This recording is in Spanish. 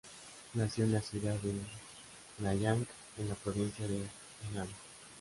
Nació en la ciudad de Nanyang, en la provincia de Henan.